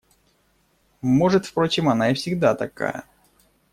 Может, впрочем, она и всегда такая.